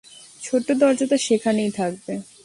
ছোট্ট দরজাটা সেখানেই থাকবে।